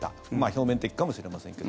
表面的かもしれませんが。